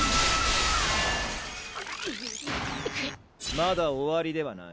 まだ終わりではない。